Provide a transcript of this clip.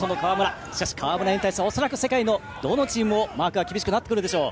しかし川村怜に対しては恐らく世界のどのチームもマークが厳しくなってくるでしょう。